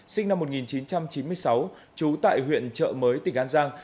sinh năm một nghìn chín trăm chín mươi sáu trú tại huyện trợ mới tỉnh an giang